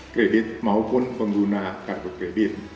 kredit maupun pengguna kartu kredit